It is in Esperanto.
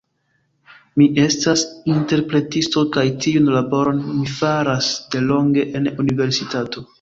Mi estas interpretisto kaj tiun laboron mi faras delonge en universitato.